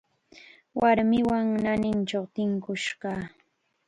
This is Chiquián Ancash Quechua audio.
Warmiwan naanichaw tinkush kaa.